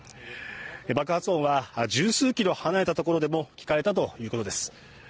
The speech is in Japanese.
爆発音は十数ｋｍ離れたところでも聞かれたということです。